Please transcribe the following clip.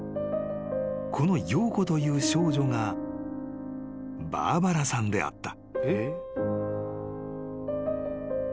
［この洋子という少女がバーバラさんであった］